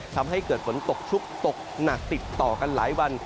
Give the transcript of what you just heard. ทำให้เกิดฝนตกชุกตกหนักติดต่อกันหลายวัน